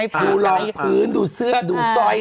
ดูรองพื้นดูเสื้อดูสร้อย